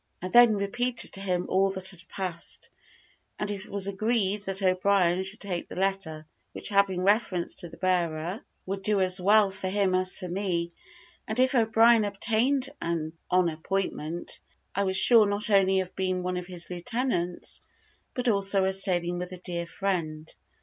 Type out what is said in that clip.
I then repeated to him all that had passed, and it was agreed, that O'Brien should take the letter, which having reference to the bearer, would do as well for him as for me; and, if O'Brien obtained on appointment, I was sure not only of being one of his lieutenants, but also of sailing with a dear friend.